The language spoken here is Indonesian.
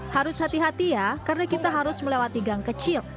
harus hati hati ya karena kita harus melewati gang kecil